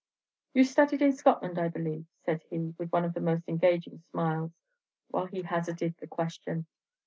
"You studied in Scotland, I believe?" said he, with one of the most engaging smiles, while he hazarded the question.